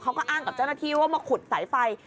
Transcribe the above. เขาก็อ้างกับเจ้าหน้าที่ว่ามาขุดสายไฟ